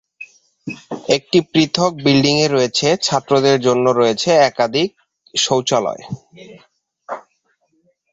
একটি পৃথক বিল্ডিং-এ রয়েছে ছাত্রদের জন্য রয়েছে একাধিক শৌচালয়।